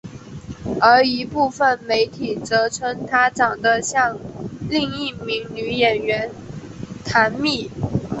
而一部分媒体则称她长得像另一名女演员坛蜜。